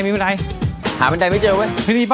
หาบันไดไม่เจอไว้